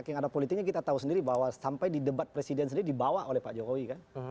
yang ada politiknya kita tahu sendiri bahwa sampai di debat presiden sendiri dibawa oleh pak jokowi kan